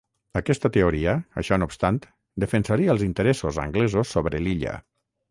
Aquesta teoria, això no obstant, defensaria els interessos anglesos sobre l'illa.